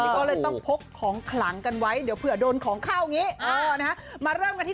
ก็เลยต้องพกของขลังกันไว้เดี๋ยวเผื่อโดนของเข้างี้